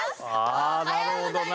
あなるほどな。